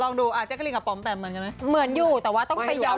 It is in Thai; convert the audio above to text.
เอ่อลองดูอ่าแจ๊สกะลินดักหรือปำแปมเหมือนกันไหมเหมือนอยู่แต่ว่าต้องไปเลี่ยน